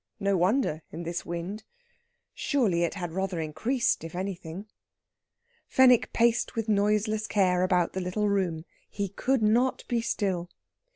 No wonder in this wind! Surely it had rather increased, if anything. Fenwick paced with noiseless care about the little room; he could not be still.